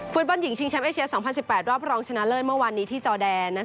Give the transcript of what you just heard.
ฟุตบอลหญิงชิงแชมป์เอเชีย๒๐๑๘รอบรองชนะเลิศเมื่อวานนี้ที่จอแดน